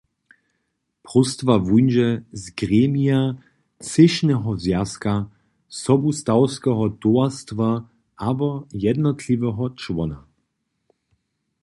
Próstwa wuńdźe z gremija třěšneho zwjazka, sobustawskeho towarstwa abo jednotliweho čłona.